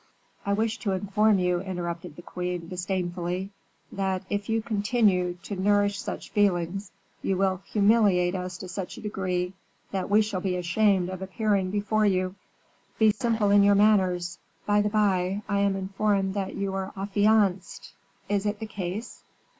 "I wished to inform you," interrupted the queen, disdainfully, "that if you continue to nourish such feelings, you will humiliate us to such a degree that we shall be ashamed of appearing before you. Be simple in your manners. By the by, I am informed that you are affianced; is it the case?"